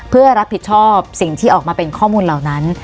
เพื่อรับผิดชอบสิ่งที่ออกมาเป็นข้อมูลเหล่านั้น